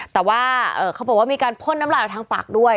แต่ว่าเขาบอกว่ามีการพ่นน้ำลายทางปากด้วย